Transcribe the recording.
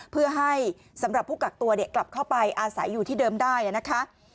เพื่อให้สำหรับผู้กักตัวกลับเข้าไปอาศัยอยู่ที่เดิมได้นะคะ